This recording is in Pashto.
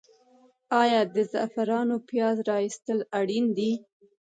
آیا د زعفرانو پیاز را ایستل اړین دي؟